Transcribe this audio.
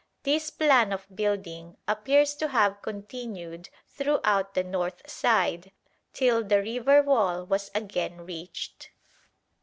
This plan of building appears to have continued throughout the north side till the river wall was again reached.